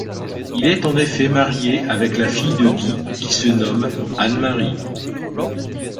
Il est en effet marié avec la fille de Guy qui se nomme Anne-Marie.